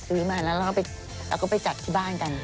ซื้อมาแล้วเราก็ไปจัดที่บ้านกัน